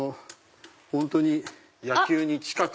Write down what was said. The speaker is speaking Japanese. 本当に野球に近く。